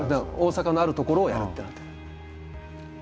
大阪のあるところをやるってなってる。